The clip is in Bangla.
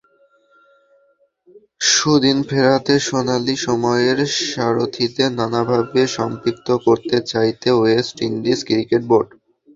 সুদিন ফেরাতে সোনালি সময়ের সারথিদের নানাভাবে সম্পৃক্ত করতে চাইছে ওয়েস্ট ইন্ডিজ ক্রিকেট বোর্ড।